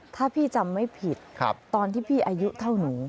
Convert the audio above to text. ถ้าพี่จำไม่ผิดตอนที่พี่อายุเท่าหนู